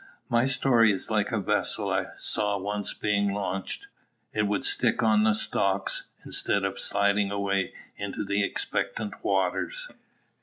My story is like a vessel I saw once being launched: it would stick on the stocks, instead of sliding away into the expectant waters.